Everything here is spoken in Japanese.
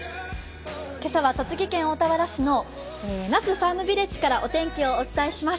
今朝は栃木県大田原市の那須ファームヴィレッジからお天気をお伝えします。